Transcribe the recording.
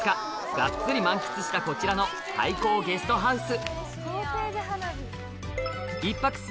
がっつり満喫したこちらの廃校ゲストハウス